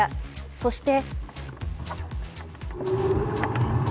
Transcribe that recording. そして。